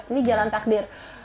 ini jalan takdir